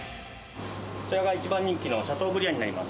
こちらが１番人気のシャトーブリアンになります。